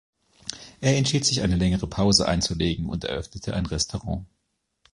Er entschied sich, eine längere Pause einzulegen und eröffnete ein Restaurant.